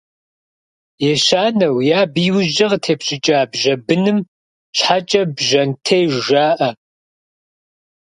Ещанэу е абы и ужькӏэ къытепщӏыкӏа бжьэ быным щхьэкӏэ «бжьэнтеж» жаӏэ.